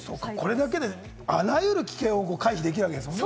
これだけで、あらゆる危険を回避できるわけですよね。